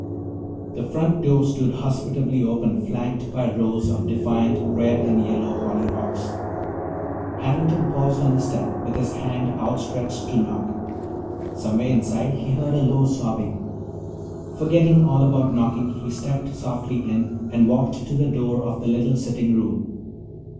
The front door stood hospitably open, flanked by rows of defiant red and yellow hollyhocks. Harrington paused on the step, with his hand outstretched to knock. Somewhere inside he heard a low sobbing. Forgetting all about knocking, he stepped softly in and walked to the door of the little sitting room.